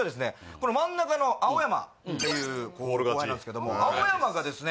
この真ん中の青山っていう後輩なんすけども青山がですね